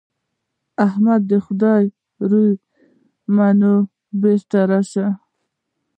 احمده! د خدای روی منه؛ بېرته راشه.